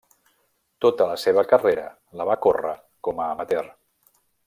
Tota la seva carrera la va córrer com a amateur.